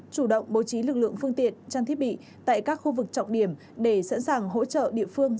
chủ động bố trí lực lượng phương tiện trang thiết bị tại các khu vực trọng điểm để sẵn sàng hỗ trợ địa phương